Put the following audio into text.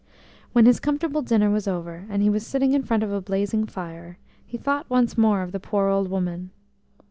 When his comfortable dinner was over, and he was sitting in front of a blazing fire, he thought once more of the poor old woman.